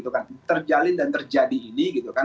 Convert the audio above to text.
terjalin dan terjadi ini